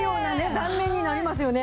断面になりますよね。